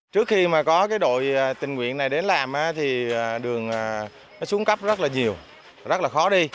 trước khi mà có cái đội tình nguyện này đến làm thì đường xuống cấp rất là nhiều rất là khó đi